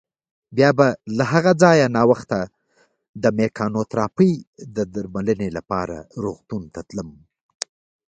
بیا به له هغه ځایه ناوخته د مېکانوتراپۍ درملنې لپاره روغتون ته تلم.